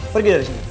pergi dari sini